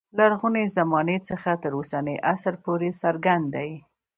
لرغونې زمانې څخه تر اوسني عصر پورې څرګند دی.